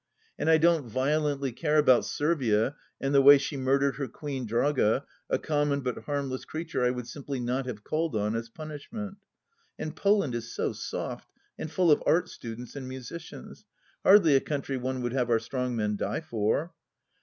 And I don't violently care about Servia and the way she murdered her Queen Draga, a common but harmless creature I would simply not have called on, as punishment. And Poland is so soft, and full of Art Students and musicians ; hardly a country one would have our strong men die for